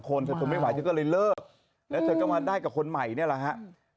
กำลังกายเป็นเช่าหวงในวันขนาดนั้น